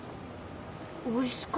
おいしか。